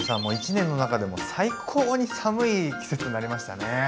もう一年の中でも最高に寒い季節になりましたね。